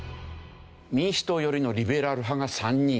民主党寄りのリベラル派が３人。